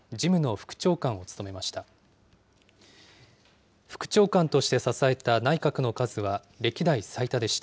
副長官として支えた内閣の数は歴代最多でした。